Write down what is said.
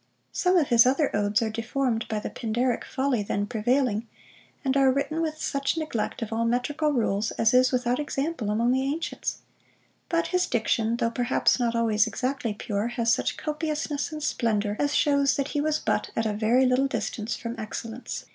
Some of his other odes are deformed by the Pindaric folly then prevailing, and are written with such neglect of all metrical rules as is without example among the ancients; but his diction, though perhaps not always exactly pure, has such copiousness and splendour, as shews that he was but at a very little distance from excellence.